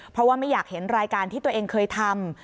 เพราะว่าไม่อยากเห็นรายการที่ตัวเองเคยทำ